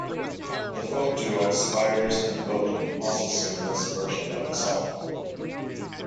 The folk duo Spiers and Boden also sing this version of the song.